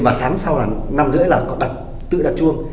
và sáng sau là năm h ba mươi là tự đặt chuông